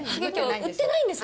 売ってないんですよ。